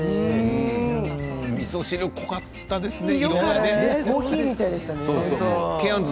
みそ汁、ぽかったですね。